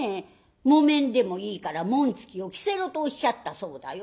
木綿でもいいから紋付きを着せろとおっしゃったそうだよ」。